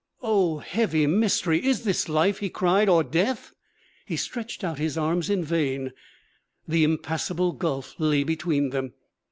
'O heavy mystery! Is this life,' he cried, 'or death?' He stretched out his arms in vain. The impassable gulf lay between them.